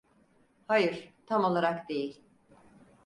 Hayır, tam olarak değil.